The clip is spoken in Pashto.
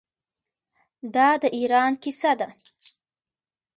دا د ایران کیسه ده.